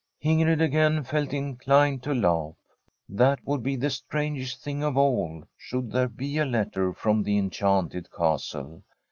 Ingrid again felt inclined to laugh. That would be the strangest thing of all, should there be a letter from the enchanted castle.